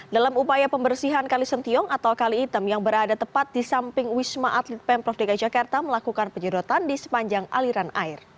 dalam upaya pembersihan kali sentiong atau kali item yang berada tepat di samping wisma atlet pemprov dki jakarta melakukan penyedotan di sepanjang aliran air